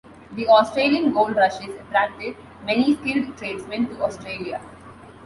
The Australian gold rushes attracted many skilled tradesmen to Australia.